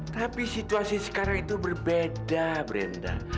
tapi situasi sekarang itu berbeda brenda